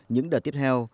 những đợt tiếp theo